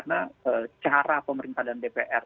karena cara pemerintah dan dpr